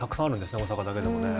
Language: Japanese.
大阪だけでも。